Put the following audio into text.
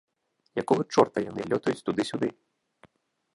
Якога чорта яны лётаюць туды-сюды?